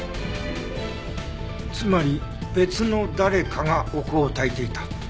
つまり別の誰かがお香をたいていた。